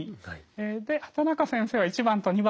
で畑中先生は①番と②番。